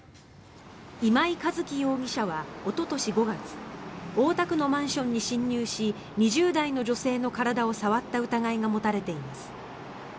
今井一希容疑者はおととし５月大田区のマンションに侵入し２０代の女性の体を触った疑いが持たれています。